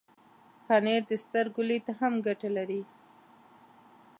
پنېر د سترګو لید ته هم ګټه لري.